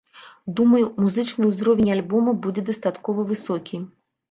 Думаю, музычны ўзровень альбома будзе дастаткова высокі.